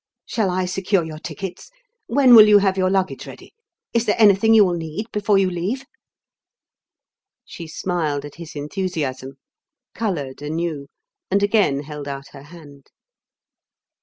Shall I secure your tickets? When will you have your luggage ready? Is there anything you will need before you leave?" She smiled at his enthusiasm, coloured anew, and again held out her hand.